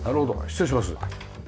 失礼します。